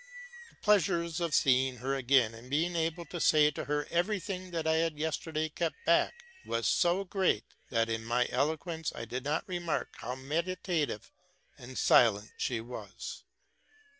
The pleasure of seeing her again, and being able to say to her every thing that I had yes terday kept back, was so great, that, in my eloquence, I did not remark how meditative and Silene she was.